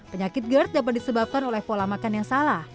penyakit gerd dapat disebabkan oleh pola makan yang salah